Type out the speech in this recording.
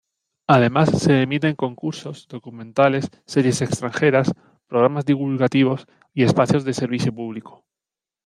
Además se emiten concursos, documentales, series extranjeras, programas divulgativos y espacios de servicio público.